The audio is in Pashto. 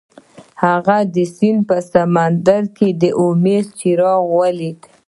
هغه د زړه په سمندر کې د امید څراغ ولید.